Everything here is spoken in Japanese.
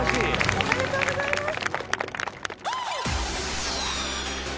おめでとうございます！